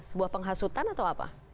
sebuah penghasutan atau apa